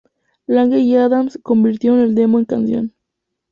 Lange y Adams convirtieron el demo en canción.